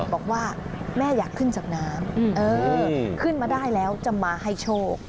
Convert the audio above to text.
บอกว่าแม่อยากขึ้นจากน้ำขึ้นมาได้แล้วจะมาให้โชค